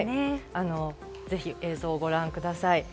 ぜひ映像をご覧ください。